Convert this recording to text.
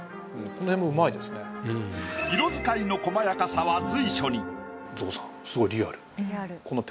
色使いのこまやかさは随所に。